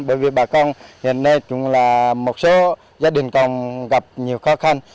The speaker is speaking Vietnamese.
bởi vì bà con hiện nay cũng là một số gia đình còn gặp nhiều khó khăn